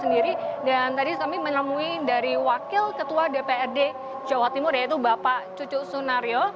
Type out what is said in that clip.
dan tadi kami menemui dari wakil ketua dprd jawa timur yaitu bapak cucu sunario